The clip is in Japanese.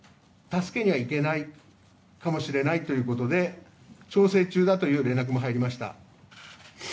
助けには行けないかもしれないということで調整中だという連絡も入りました。